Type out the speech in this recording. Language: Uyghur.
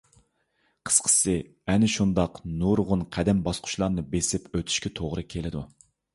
قىسقىسى، ئەنە شۇنداق نۇرغۇن قەدەم - باسقۇچىلارنى بېسىپ ئۆتۈشكە توغرا كېلىدۇ.